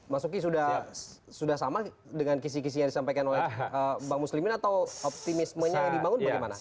mas uki sudah sama dengan kisi kisi yang disampaikan oleh bang muslimin atau optimismenya yang dibangun bagaimana